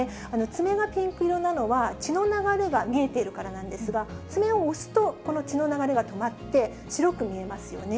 爪がピンク色なのは、血の流れが見えているからなんですが、爪を押すと、この血の流れが止まって、白く見えますよね。